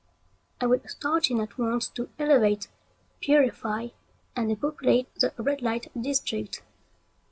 I would start in at once to elevate, purify, and depopulate the red light district.